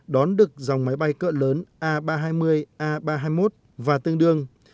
đón được dòng máy bay cỡ lớn a ba trăm hai mươi a ba trăm hai mươi một và tương đương